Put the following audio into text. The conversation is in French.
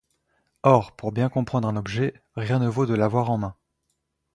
Or pour bien comprendre un objet, rien ne vaut de l'avoir en main.